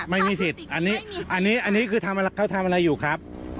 ไม่มีสิทธิ์อันนี้อันนี้คือเขาทำอะไรอยู่ครับ